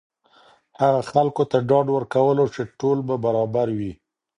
هغه خلکو ته ډاډ ورکولو چې ټول به برابر وي.